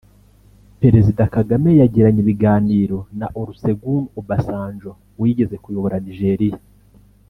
Perezida Kagame yagiranye ibiganiro na Olusegun Obasanjo wigeze kuyobora Nigeria